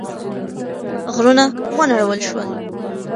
غرونه ونړول شول.